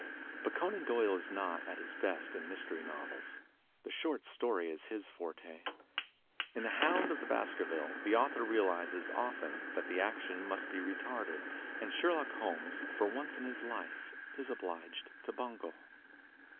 But Conan Doyle is not at his best in mystery novels. The short story is his forte. In "The Hoimd of the Basker villes" the author realizes often that the action must be retarded, and Sherlock Holmes for once in his life is obliged to bungle.